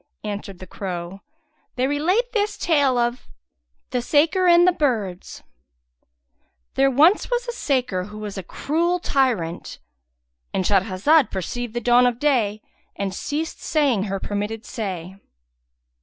Answered the crow, they relate this tale of The Saker[FN#169] and the Birds. There was once a saker who was a cruel tyrant"—And Shahrazad perceived the dawn of day and ceased saying her permitted say.